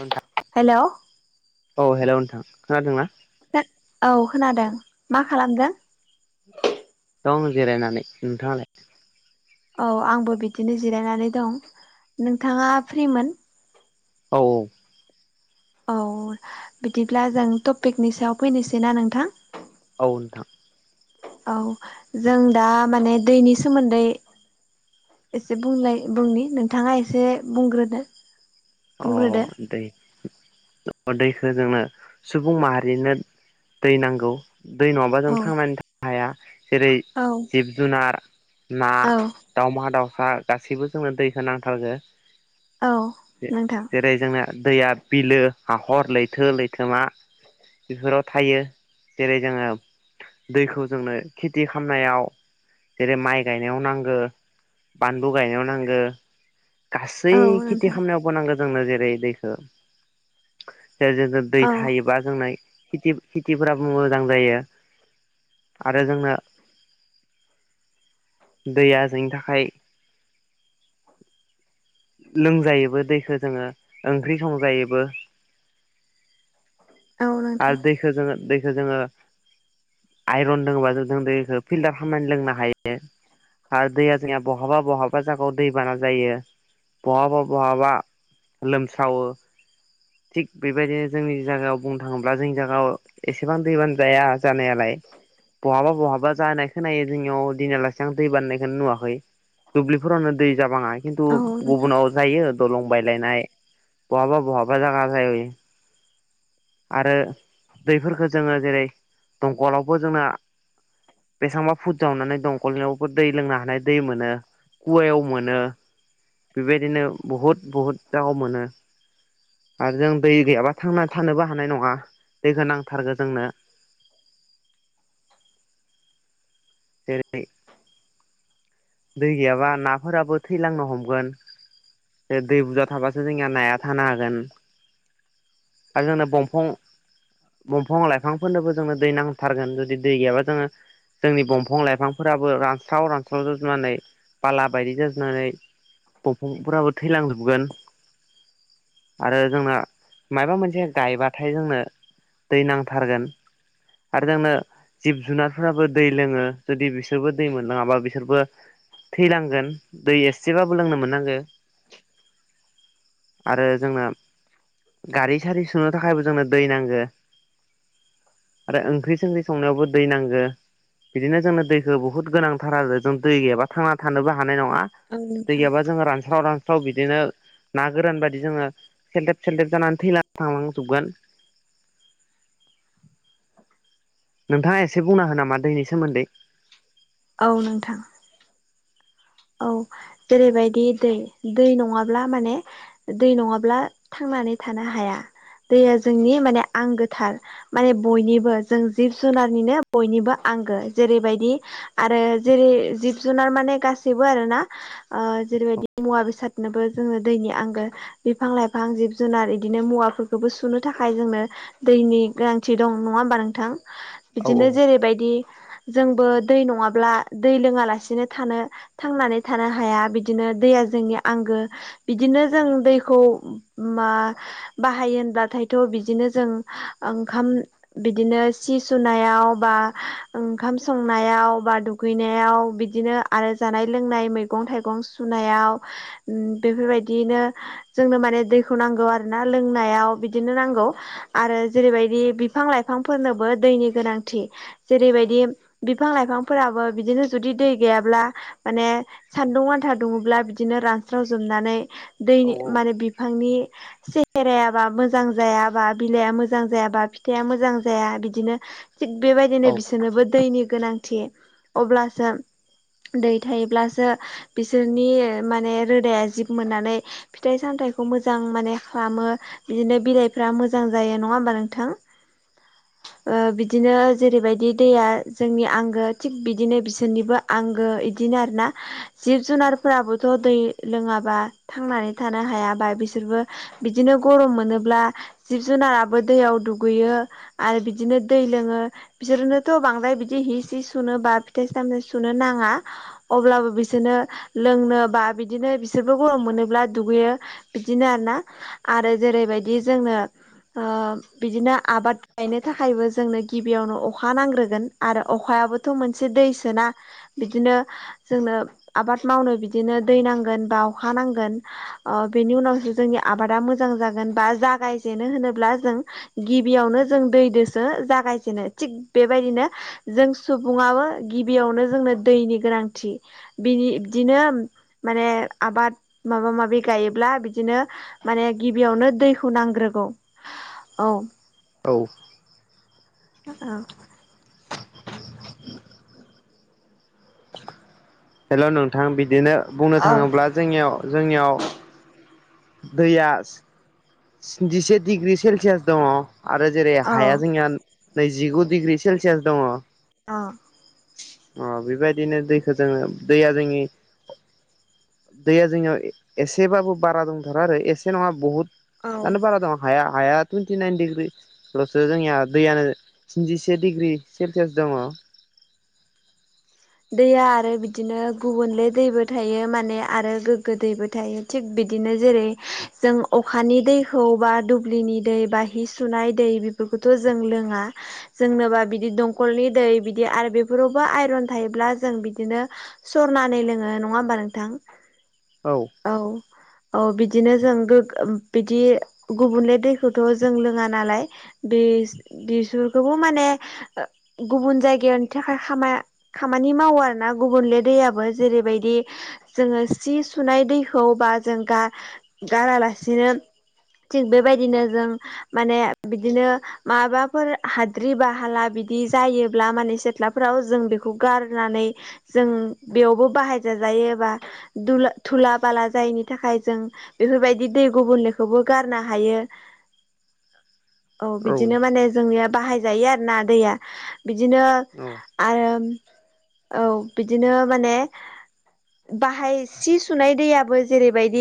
नुथा हेल' औ हेल' नोंथां खोनादोंना? औ खोनादों मा खालामदों? दं जिरायनानै नोंथाङालाय? औ आंबो बिदिनो जिरायनानै दं। नोंथाङा फ्रिमोन? औ औ औ बिदिब्ला जों टपिकनि सायाव फैनोसै ना नोंथां? औ नोंथां औ जों दा माने दैनि सोमोन्दै एसे बुंलाय बुंनि नोंथाङा एसे बुंग्रोदो? अ बुंग्रोदो दै अ दैखो जोंनो सुबुं माहारिनो दै नांगौ दै नङाब्ला जों औ थांनानै थानो हाया जेरै औ जिब जुनार, ना औ दावमा दाउसा गासैबो जोंनो दैखौ नांथारगो। औ ए नोंथां जेरै जोंना दैया बिलो, हाखर, लैथो लैथोमा बेफोराव थायो जेरै जोङो दैखौ जोंनो खेथि खामनायाव जेरै माइ गायनायाव नांगो बानलु गायनायाव नांगो गासै औ खेथि नोंथां खामनायावबो नांगो जोंनो जेरै दैखो जेर जेर जोंना दै औ थायोबा जोंना खेथि खेथिफोराबो मोजां जायो आरो जोंनो दैया जोंनि थाखाय लोंजायोबो दैखो जोङो ओंख्रि संजायोबो औ नोंथां आरो दैखो जोङो दैखो जोङो आइरन दोङोबा जों जों दैखो फिल्टार खालामनानै लोंनो हायो। आरो दैया जोंनिया बहाबा बहाबा जागाव दैबाना जायो। बहाबा बहाबा लोमसावो। थिग बेबायदिनो जोंनि जागायाव बुं थाङोब्ला जोंनि जागाव एसेबां दैबान जाया जानायालाय बहाबा बहाबा जानाय खोनायो जोंनियाव दिनैयालासि आं दैबान होननाय खोनो नुवाखै। दुब्लिफोरावनो दै जाबाङाय खिन्थु औ नोंथां गुबुनाव जायो दलं बायलायनाय बहाबा बहाबा जागा जायो। आरो दैफोरखो जोङो जेरै दंकलावबो जोंना बेसांबा फुद जावनानै दंकलनियावबो दै लोंनो हानाय दै मोनो। खुवायाव मोनो बेबायदिनो बहुद बहुद दाव मोनो। आरो जों दै गैयाब्ला थांना थानोबो हानाय नङा दैखो नांथारगो जोंनो जेरै दै गैयाबा नाफोराबो थैलांनो हमगोन। बे दै बुजा थाबासो जोंनिया नाया थानो हागोन। आरो जोंनो बंफं बंफं लाइफांफोरनोबो जोंनो दै नांथारगोन जुदि दै गैयाबा जोङो जोंनि बंफं लाइफांफोराबो रानस्राव रानस्राव जाजुबनानै बाला बायदि जाजुबनानै बंफंफोराबो थैलांजोबगोन। आरो जोंना माबा मोनसे गायबाथाय जोंनो दै नांथारगोन आरो जोंनो जिब जुनारफोराबो दै लोङो जुदि बिसोरबो दै मोनलाङाबा बिसोरबो थैलांगोन दै एसेबाबो लोंनो मोननांगो आरो जोंनो गारि सारि सुनो थाखायबो जोंनो दै नांगो आरो ओंख्रि संख्रै संनायावबो दै नांगौ बिदिनो जोंनो दैखौ बुहुत गोनांथार आरो जों दै गैयाबा थांना थानोबो हानाय नङा। औ दै नोंथां गैयाबा जोङ रानस्राव रा फाव बिदिनो ना गोरान बादि जोङो सेलदेब सेलदेब जानानै थैला थांलांजोबगोन नोंथाङा एसे बुंनो हागोन नामा दैनि सोमोन्दै? औ नोंथां औ जेरैबायदि दै दै नङाब्ला माने दै नङाब्ला थांनानै थानो हाया दैया जोंनि माने आंगोथार। माने बयनिबो जों जिब जुनारनिनो बयनिबो आंगो जेरैबायदि आरो जेरै जिब जुनार माने गासैबो आरो ना ओ जेरैबायदि मुवा बेसादनोबो जोंनो दैनि आंगो बिफां लाइफां जिब जुनार इदिनो मुवाफोरखौबो सुनो थाखाय जोंनो दैनि गोनांथि दं नङा होमबा नोंथां? औ बिदिनो जेरैबायदि जोंबो दै नङाब्ला दै लोङा लासेनो थानो थांनानै थानो हाया, बिदिनो दैया जोंनि आंगो बिदिनो जों दैखौ मा बाहायो होनब्लाथायथ' बिदिनो जों ओंखाम बिदिनो सि सुनायाव बा ओंखाम संनायाव बा दु गैनायाव बिदिनो आरो जानाय लोंनाय मैगं थाइगं सुनायाव, उम बेफोरबायदियैनो जोंनो माने दैखौ नांगौ आरो ना लोंनायाव बिदिनो नांगौ। आरो जेरैबायदि बिफां लाइफांफोरनोबो दैनि गोनांथि जेरैबायदि बिफां लाइफांफोराबो बिदिनो जुदि दै गैयाब्ला माने सान्दुं आनथा दुङोब्ला बिदिनो रानस्राव जोबनानै औ दैनि माने बिफांनि सेहेरायाबा मोजां जायाबा बिलाइआ मोजां जायाबा फिथाइआ मोजां जाया बिदिनो थिग बेबायदिनो औ बिसोरनोबो दैनि गोनांथि। अब्लासो दै थायोब्लासो बिसोरनि माने रोदाया जिब मोननानै फिथाइ -सामथाइखौ मोजां माने खालामो बिदिनो बिलाइफ्रा मोजां जायो नङा होमबा नोंथां? ओ बिदिनो जेरैबायदि दैया जोंनि आंगो थिग बिदिनो बिसोरनिबो आंगो बिदिनो आरो ना जिब जुनारफोराबोथ' दै लोङाबा थांनानै थानो हायाबा बिसोरबो बिदिनो गरम मोनोब्ला, जिब जुनाराबो दैयाव दुगैयो आरो बिदिनो दै लोङो बिसोरनोथ' बांद्राय बिदि हि सि सुनो बा फिथाइ सामथाइ सुनो नाङा अब्लाबो बिसोरनो लोंनो बा बिदिनो बिसोरबो गरम मोनोब्ला दुगैयो बिदिनो आर ना, आरो जेरैबायदि जोंनो ओ बिदिनो आबाद गायनो थाखायबो जोंनो गिबियावनो अखा नांग्रोगोन आरो अखायाबोथ' मोनसे दैसोना बिदिनो जोंनो आबाद मावनो बिदिनो दै नांगोन बा अखा नांगोन ओ बेनि उनावसो जोंनि आबादा मोजां जागोन बा ओ जागायजेनो होनोब्ला जों गिबियावनो जों दैदोसो जागायजेनो थिग बेबायदिनो जों सुबुङाबो गिबियावनो जोंनो दैनि गोनांथि। बिनि बिदिनो माने आबाद माबा माबि गायोब्ला बिदिनो माने गिबियावनो दैखौ नांग्रोगौ औ औ औ हेल' नोंथां बिदिनो बुंनो औ थाङोब्ला जोंनियाव जोंनियाव दैया स्निजिसे डिग्रि सेलसियास दङ आरो जेरै हाया औ जोंया नैजिगु डिग्रि सेलसियास दङ औ अ बेबायदिनो दैखौ जोङो दैया जोंनि दैया जोंनियाव एसेबाबो बारा दंथारो आरो एसे नङा बहुत औ दानो बारा दङ हाया हाया टुन्टिनाइन दिग्रि [unintelligible] जोंनिया दैयानो स्निजिसे डिग्रि सेलसियास दङ दैया आरो बिदिनो गुबुनले दैबो थायो माने आरो गोग्गो दैबो थायो थिग बिदिनो जेरै- जों अखानि दैखौ बा दुब्लिनि दै बा हि सुनाय दै बे बेखौथ' जों लोङा। जोंनोबा बिदि दंकलनि दै बिदि आरो बेफोराव बो आइरन थायोब्ला जों बिदिनो सरनानै लोङो। नङा होमबा नोंथां! औ औ। औ बिदिनो जों गोग ओम बिदि गुबुनले दैखौथ' जों लोङा नालाय बिस बिफोरखौबो माने गुबुन जायगानि थाखाय खामा खामानि मावो आरो ना गुबुनले दैयाबो जेरैबायदि जोङो सि सुनाय दैखौ बा जों गा गारालासिनो थिग बेबायदिनो जों माने बिदिनो मालाबाफोर हाद्रि बाहाला बिदि जायोब्ला माने सिथ्लाफोराव जों बेखौ खौ गारनानै जों बेयावबो बाहाय जाजायो बा धुला थुला बाला जायिनि थाखाय जों बेफोरबायदि दै गुबुनलेखौबो गारनो हायो औ बिदिनो माने जोंनिया बाहायजायो आरो ना दैया बिदिनो औ आरो औ बिदिनो माने बाहाय सि सुनाय दैयाबो जेरैबायदि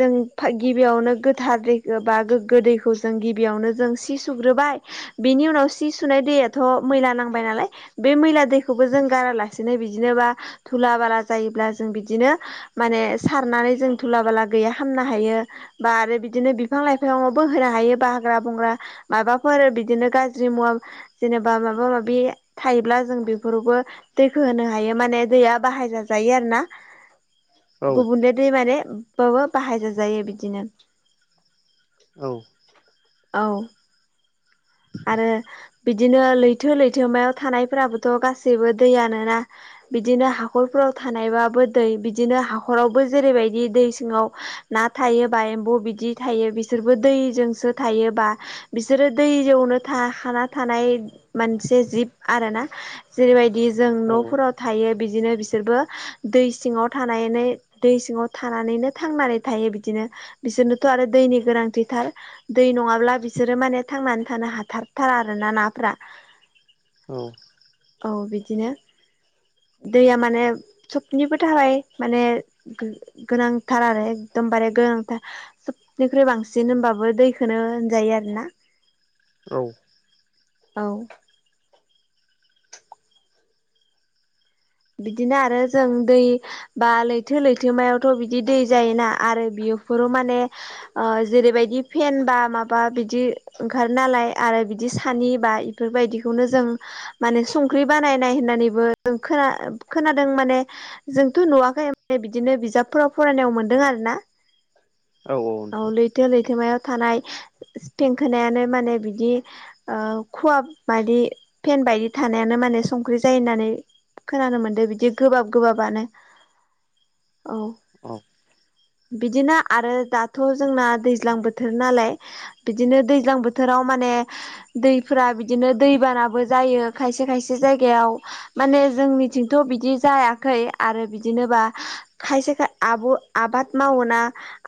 जों फा गिबियावनो गोथार दैखो बा गोग्गो दैखौ जों गिबियावनो जों सि सुग्रोबाय बेनि उनाव सि सुनाय दैयाथ' मैला नांबाय नालाय बे मैला दै खौबो जों गारालासेनो बिदिनो बा धुला बाला जायोब्ला जों बिदिनो माने सारनानै जों थुला बाला गैया खामनो हायो। बा आरो बिदिनो बिफां लाइफांङावबो होनो हायो बा हाग्रा बंग्रा माबाफोर बिदिनो गाज्रि मुवा जेनेबा माबा माबि थायोब्ला जों बि फोरावबो दैखो होनो हायो माने दैया बाहाय जाजायो आरो ना औ गुबुनले दैमाने बाबो बाहायजाजायो बिदिनो। औ। औ। आरो बिदिनो लैथो लैथोमायाव थानायफोराबोथ' गासैबो दैयानो ना। बिदिनो हाखरफोराव थानायबाबो दै बिदिनो हाखरावबो जेरैबायदि दै सिङाव ना थायोबा एम्बौ बिदि थायो बिसोरबो दैजोंसो थायोबा बिसोरो दै यावनो थाखाना थानाय मोनसे जिब आरोना? जेरैबायदि जों न'फोराव थायो बिदिनो बिसोरबो दै सिङाव थानानै दै सिङाव थानानैनो थांनानै थायो बिदिनो बिसोरनोथ' आरो दैनि गोनांथिथार दै नङाब्ला बिसोरो माने थांनानै था थानो हाथारथारा आरो ना नाफोरा। औ। औ बिदिनो। दैया माने सबनिबो थाखाय माने गो-गोनांथार आरो एकदमबारे गोनांथार। सबनिख्रुइ बांसिन होनबाबो दैखोनो होनजायो आरोना। औ औ बिदिनो आरो जों दै बा लैथो लैथोमायावथ' बिदि दै जायोना आरो बियोफोरो माने आ जेरैबायदि फेन बा माबा बिदि ओंखारो नालाय आरो बिदि सानि बा फोरबायदिखौनो जों माने संख्रि बानायनाय होननानैबो जों खोना ओ खोनादों माने जोंथ' नुवाखै माने बिदिनो बिजाबफोराव फरायनायाव मोन्दों आरो ना औ लैथो लैथोमायाव थानाय थेंखोनायानो माने बिदि ओ खुवा बायदि फेन बायदि थानायानो माने संख्रि जायोनानै खोनानो मोन्दों बिदि गोबाब गोबाबबानो। औ बिदिनो आरो दा थ' जोंना दैज्लां बोथोर नालाय बिदिनो दैज्लां बोथोराव माने दैफोरा बिदिनो दैबानाबो जायो खायसे खायसे जायगायाव माने जोंनिथिंथ' बिदि जायाखै आरो बिदिनो बा खायसे खाय आब' आबाद मावो ना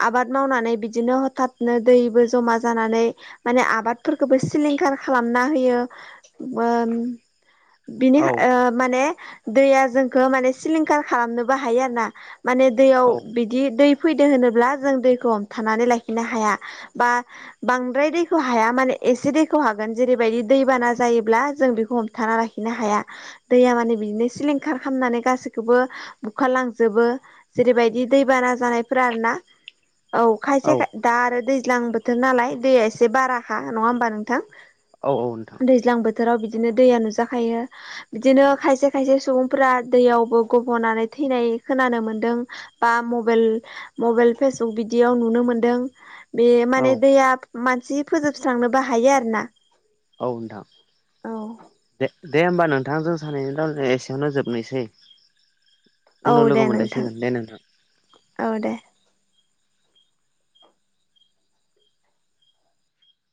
आबाद मावनानै बिदिनो हथाथनो दैबो जमा जानानै माने आबादफोरखोबो सिलिंखार खालामना होयो अम बिनि औ औ ओ माने दैया जोंखौ माने सिलिंखार खालामनोबो हायो आरोना। माने दैयाव औ बिदि दै फैदो होनोब्ला जों दैखौ हमथानानै लाायखिनो हाया। बा बांद्राय दैखौ हाया माने एसे दैखौ हागोन जेरैबायदि दैबाना जायोब्ला जों बेखौ हमथाना ला खिनो हाया दैया माने बिदिनो सिलिंखार खामनानै गासैखौबो बुखारलांजोबो। जेरैबायदि दैबाना जानायफोरा आरोना। औ खायसे खाय दा आरो दैज्लां बोथोर नालाय दैया एसे बाराखा नङा होमबा नोंथां। औ नोंथां दैज्लां बोथोराव बिदिनो दैया नुजाखायो। बिदिनो खायसे खायसे सुबुंफोरा दैयावबो गब'नानै थैनाय खोनानो मोनदों। बा मबेल मबेल फेसबुक बि दियाव नुनो मोनदों बे औ माने दैया मानसि फोजोबस्रांनोबो हायो आरो ना। औ नोंथां दे दे होमबा नोंथां जों सानैनि रायलायनाया एसेयावनो जोबनोसै औ उनाव दे लोगो नोंथां मोनलायसिगोन दे नोंथां औ दे